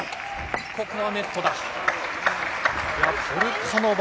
ここはネットだ。